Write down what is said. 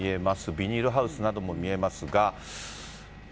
ビニールハウスなども見えますが。